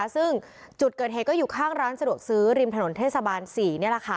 ซึ่งจุดเกิดเหตุก็อยู่ข้างร้านสะดวกซื้อริมถนนเทศบาล๔